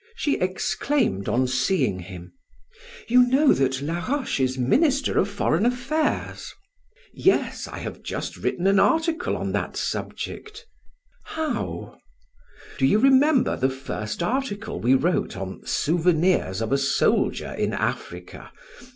She exclaimed on seeing him: "You know that Laroche is minister of foreign affairs." "Yes, I have just written an article on that subject." "How?" "Do you remember the first article we wrote on 'Souvenirs of a Soldier in Africa'?